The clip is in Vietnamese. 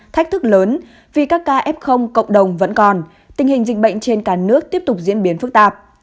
thách thức lớn vì các ca f cộng đồng vẫn còn tình hình dịch bệnh trên cả nước tiếp tục diễn biến phức tạp